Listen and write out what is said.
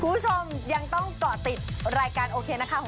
คุณผู้ชมยังต้องเกาะติดรายการโอเคนะคะ